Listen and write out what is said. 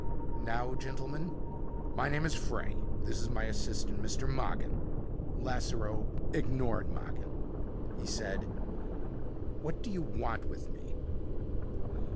"Now, gentlemen?" "My name is Frey. This is my assistant, Mr. Mogin." Lasseroe ignored Mogin. He said, "What do you want with me?"